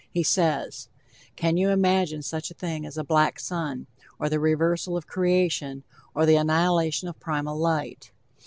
He says: "Can you imagine such a thing as a black sun, or the reversal of creation or the annihilation of primal light?